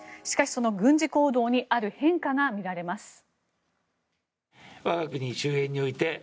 しかしその軍事行動にある変化が見られます。